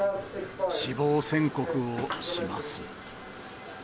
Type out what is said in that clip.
死亡宣告をします。